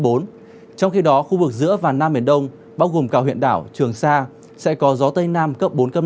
trong khi đó khu vực giữa và nam biển đông bao gồm cả huyện đảo trường sa sẽ có gió tây nam cấp bốn năm